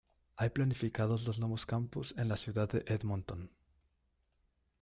Hay planificados dos nuevos campus en la ciudad de Edmonton.